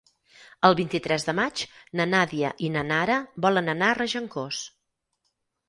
El vint-i-tres de maig na Nàdia i na Nara volen anar a Regencós.